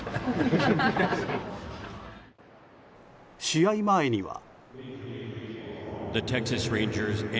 試合前には。